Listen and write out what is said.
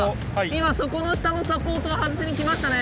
今そこの下のサポートを外しに来ましたね。